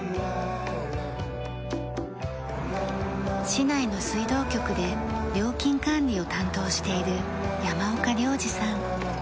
市内の水道局で料金管理を担当している山岡亮治さん。